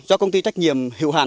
do công ty trách nhiệm hữu hạn